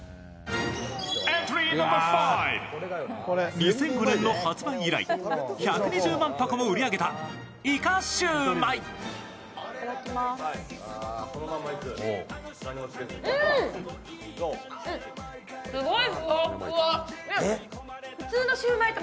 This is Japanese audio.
２００５年の発売以来、１２０万箱も売り上げたいかしゅうまい。